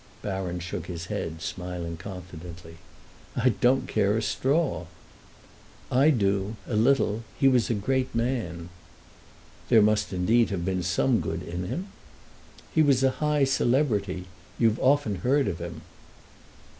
Baron shook his head, smiling confidently. "I don't care a straw." "I do—a little. He was a great man." "There must indeed have been some good in him." "He was a high celebrity. You've often heard of him."